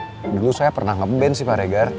tapi emang dulu saya pernah ngeband sih pak regar